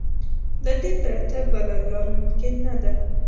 له دې پرته بله لار ممکن نه ده.